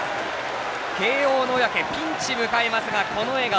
慶応の小宅ピンチを迎えますが、笑顔。